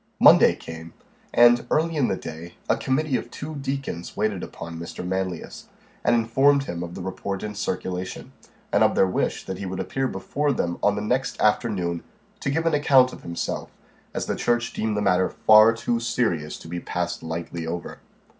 Monday came, and, early in the day, a committee of two deacons waited upon Mr. Manlius, and informed him of the report in circulation, and of their wish that he would appear before them on the next afternoon, to give an account of himself, as the church deemed the matter far too serious to be passed lightly over.